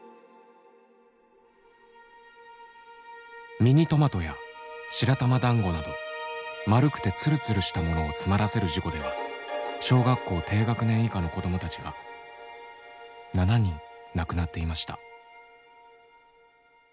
ミニトマトや白玉だんごなど丸くてつるつるしたものを詰まらせる事故では小学校低学年以下の子どもたちが７人亡くなっていました。